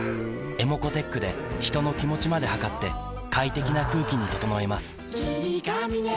ｅｍｏｃｏーｔｅｃｈで人の気持ちまで測って快適な空気に整えます